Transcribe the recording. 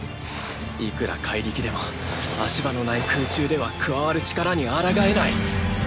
いくら怪力でも足場のない空中では加わる力にあらがえない。